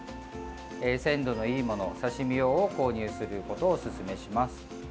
鮮度のいいもの、刺身用を購入することをおすすめします。